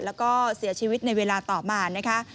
แล้วก็เสียชีวิตในเวลาต่อมานะคะ